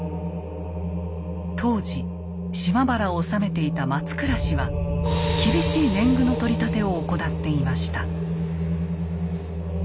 当時島原を治めていた松倉氏は厳しい年貢の取り立てを行っていました。